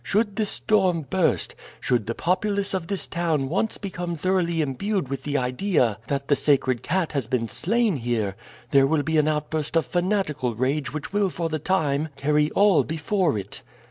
Should this storm burst, should the populace of this town once become thoroughly imbued with the idea that the sacred cat has been slain here, there will be an outburst of fanatical rage which will for the time carry all before it.